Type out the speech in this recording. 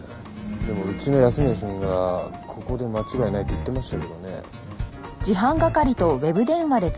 でもうちの安洛主任がここで間違いないって言ってましたけどね。